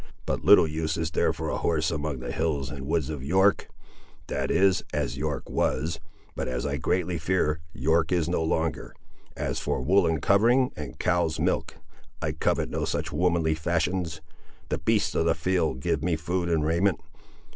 But little use is there for a horse among the hills and woods of York—that is, as York was, but as I greatly fear York is no longer—as for woollen covering and cow's milk, I covet no such womanly fashions! The beasts of the field give me food and raiment.